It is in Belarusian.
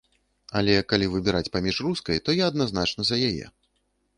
Але калі выбіраць паміж рускай, то я адназначна за яе.